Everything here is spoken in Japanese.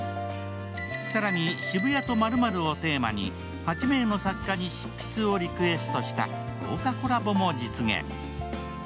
更に、「渋谷と○○」をテーマに８名の作家に執筆をリクエストした豪華コラボも実現。